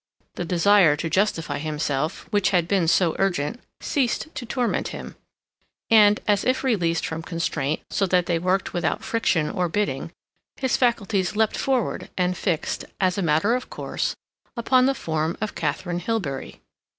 The desire to justify himself, which had been so urgent, ceased to torment him, and, as if released from constraint, so that they worked without friction or bidding, his faculties leapt forward and fixed, as a matter of course, upon the form of Katharine Hilbery.